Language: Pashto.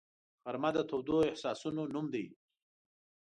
غرمه د تودو احساسونو نوم دی